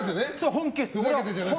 本気です！